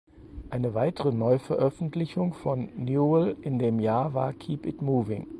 Eine weitere Neuveröffentlichung von Newell in dem Jahr war "Keep it Moving".